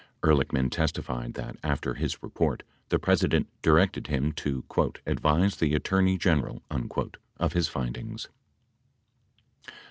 77 Ehrlich man testified that, after his report, the President directed him to "ad vise the Attorney General" of his findings.